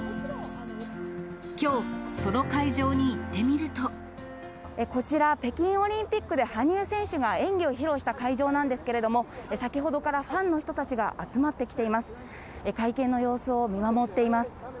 きょう、こちら、北京オリンピックで羽生選手が演技を披露した会場なんですけれども、先ほどからファンの人たちが集まってきています。